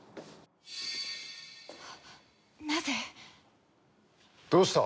なぜ？どうした？